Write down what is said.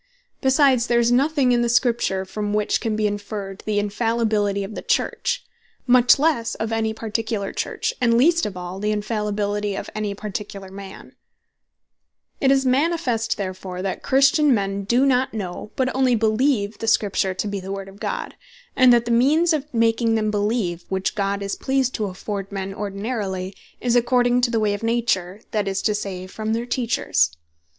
Besides, there is nothing in the Scripture, from which can be inferred the Infallibility of the Church; much lesse, of any particular Church; and least of all, the Infallibility of any particular man. Faith Comes By Hearing It is manifest, therefore, that Christian men doe not know, but onely beleeve the Scripture to be the Word of God; and that the means of making them beleeve which God is pleased to afford men ordinarily, is according to the way of Nature, that is to say, from their Teachers.